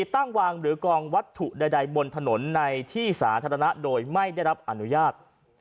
ตั้งวางหรือกองวัตถุใดบนถนนในที่สาธารณะโดยไม่ได้รับอนุญาต